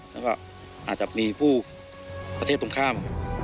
แล้วก็อาจจะมีผู้ประเทศตรงข้าม